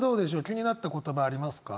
気になった言葉ありますか？